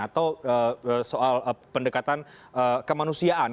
atau pendekatan kemanusiaan